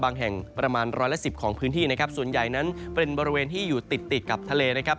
แห่งประมาณร้อยละสิบของพื้นที่นะครับส่วนใหญ่นั้นเป็นบริเวณที่อยู่ติดติดกับทะเลนะครับ